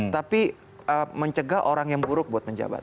tapi mencegah orang yang buruk buat menjabat